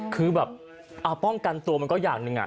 คือแบบเอาป้องกันตัวมันก็อย่างหนึ่ง